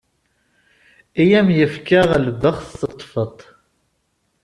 I am-yefka lbext teṭfeḍ-t.